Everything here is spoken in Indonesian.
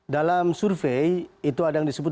dalam survei itu ada yang disebut